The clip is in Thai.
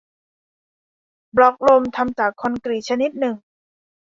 บล็อกลมทำจากคอนกรีตชนิดหนึ่ง